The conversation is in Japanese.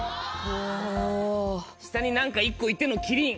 下に何か１個いてのキリン。